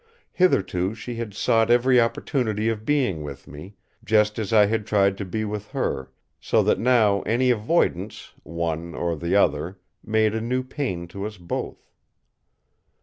Hitherto she had sought every opportunity of being with me, just as I had tried to be with her; so that now any avoidance, one of the other, made a new pain to us both.